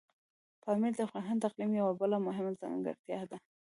پامیر د افغانستان د اقلیم یوه بله مهمه ځانګړتیا ده.